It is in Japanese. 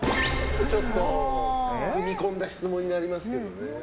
ちょっと踏み込んだ質問になりますけどね。